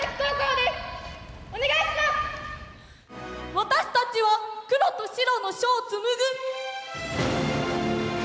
私たちは黒と白の書をつむぐ。